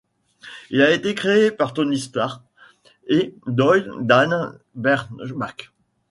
Il a été créé par Tony Schwartz et Doyle Dane Bernbach.